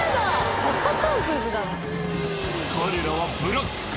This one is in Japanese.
彼らはブラックか？